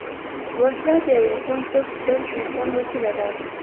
وسله د یو انسان ضد بل انسان وسيله ده